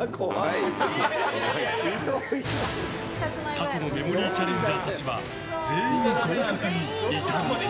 過去のメモリーチャレンジャーたちは全員、合格に至らず。